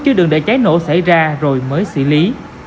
chứ đừng để cháy nổ xảy ra rồi mới xử lý